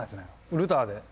ルターで。